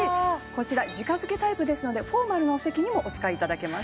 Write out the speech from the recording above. こちら直付けタイプですのでフォーマルなお席にもお使い頂けます。